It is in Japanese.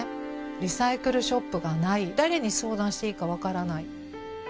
リサイクルショップがない誰に相談していいか分からない。